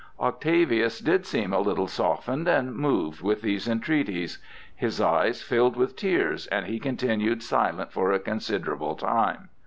Octavius did seem a little softened and moved with these entreaties; his eyes filled with tears and he continued silent for a considerable time.